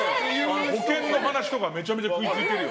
保険の話とかめちゃめちゃ食いついてるよ。